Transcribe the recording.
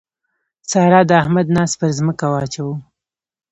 سارا د احمد ناز پر ځمکه واچاوو.